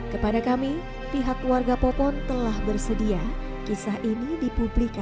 kepada kami pihak warga popon telah bersedia kisah ini dipublikasikan